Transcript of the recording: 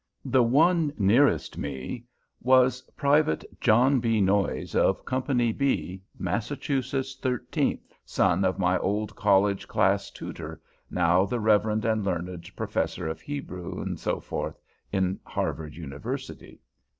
The one nearest me was private John B. Noyes of Company B, Massachusetts Thirteenth, son of my old college class tutor, now the reverend and learned Professor of Hebrew, etc., in Harvard University.